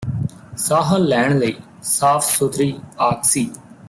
ਸਾਹ ਲੈਣ ਲਈ ਸਾਫ ਸੁਥਰੀ ਆਕਸੀ